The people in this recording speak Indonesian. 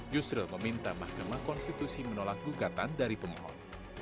yusril meminta mahkamah konstitusi menolak gugatan dari pemohon